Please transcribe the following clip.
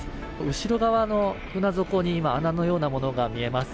後ろ側の船底に穴のようなものが見えます。